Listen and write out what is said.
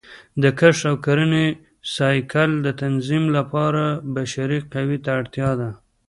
د کښت او کرنې سایکل د تنظیم لپاره بشري قوې ته اړتیا وه